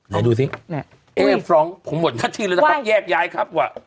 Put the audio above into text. ไหนดูสิเนี่ยเอ๊ฟรองผมหมดทัศน์ทีแล้วจะปั๊บแยกย้ายครับว่ะ